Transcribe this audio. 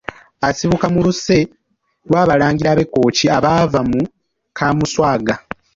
Asibuka mu luse lw’Abalangira b’e Kkooki abavaamu Kaamuswaga.